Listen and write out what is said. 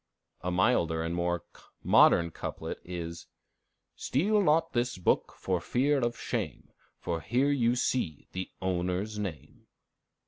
A milder and more modern couplet, is "Steal not this book for fear of shame, For here you see the owner's name."